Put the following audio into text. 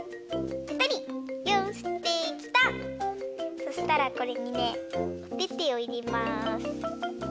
そしたらこれにねおててをいれます。